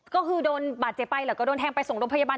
ก็คือโดนบาดเจ็บไปแล้วก็โดนแทงไปส่งโรงพยาบาล